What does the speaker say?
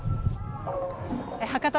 博多